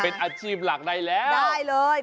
เป็นอาชีพหลักได้แล้วได้เลย